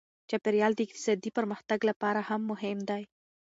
چاپیریال د اقتصادي پرمختګ لپاره هم مهم دی.